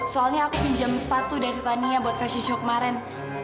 soalnya aku pinjam sepatu dari tania buat fashion show kemarin